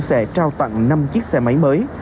sẽ trao tặng năm chiếc xe máy mới